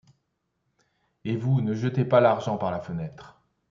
Et vous ne jetez pas l'argent par la fenêtre